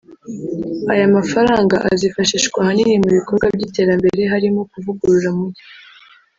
“Aya mafaranga azifashishwa ahanini mu bikorwa by’iterambere harimo kuvugurura umugi